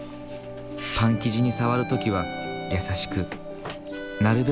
パン生地に触る時は優しくなるべく回数を少なく。